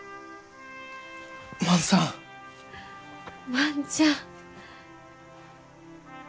万ちゃん！